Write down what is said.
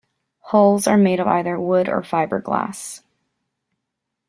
Hulls are made of either wood or fibreglass.